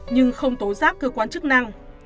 nhưng không tối giác cơ quan chức năng